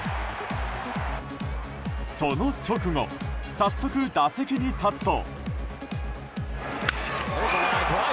その直後早速、打席に立つと。